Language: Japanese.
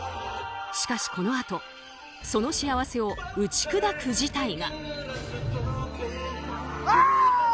しかし、このあとその幸せを打ち砕く事態が。